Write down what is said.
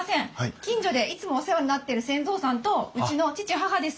近所でいつもお世話になってる泉藏さんとうちの父母です。